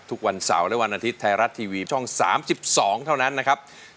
ทุกวันเสาร์และวันอาทิตย์ไทยรัฐทีวีช่อง๓๒เท่านั้นนะครับ